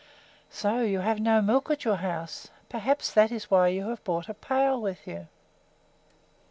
"So you have no milk at your house. Perhaps that is why you have brought a pail with you."